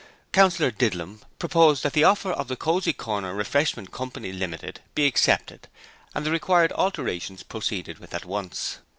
Councillor Didlum proposed that the offer of the 'Cosy Corner Refreshment Co. Ltd' be accepted and the required alterations proceeded with at once.